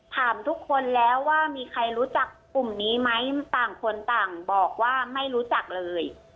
ถามทุกคนแล้วว่ามีใครรู้จักกลุ่มนี้ไหมต่างคนต่างบอกว่าไม่รู้จักเลย